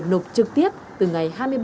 nộp trực tiếp từ ngày hai mươi ba